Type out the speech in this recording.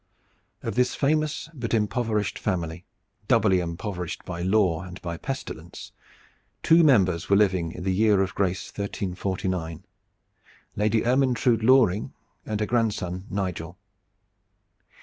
Of this famous but impoverished family, doubly impoverished by law and by pestilence, two members were living in the year of grace 1349 Lady Ermyntrude Loring and her grandson Nigel.